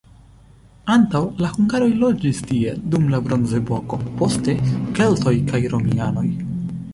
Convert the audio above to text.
Antaŭ la hungaroj loĝis tie dum la bronzepoko, poste keltoj kaj romianoj.